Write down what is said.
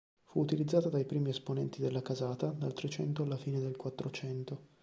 Fu utilizzata dai primi esponenti della casata, dal Trecento alla fine del Quattrocento.